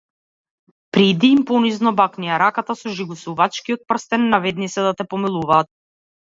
Пријди им понизно, бакни ја раката со жигосувачкиот прстен, наведни се да те помилуваат.